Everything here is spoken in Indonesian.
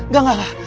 gak gak gak